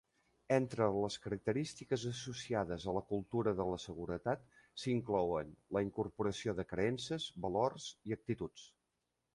Entre les característiques associades a la cultura de la seguretat s"inclouen la incorporació de creences, valors i actituds.